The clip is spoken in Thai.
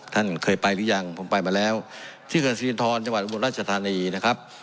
ท่านเคยไปหรือยังผมไปมาแล้วที่เกิดสิรินทรจังหวัดอุบลราชธานีนะครับ